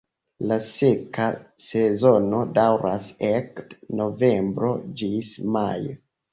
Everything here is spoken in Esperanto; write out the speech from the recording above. La seka sezono daŭras ekde novembro ĝis majo.